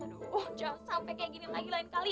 aduh jangan sampai kayak gini lagi lain kali